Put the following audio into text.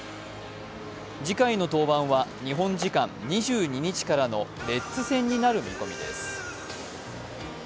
次回の登板は日本時間２２日からのレッズ戦になる見込みです